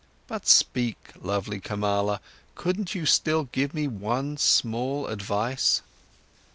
But speak, lovely Kamala, couldn't you still give me one small advice?"